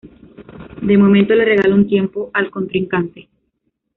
De momento le regala un tiempo al contrincante.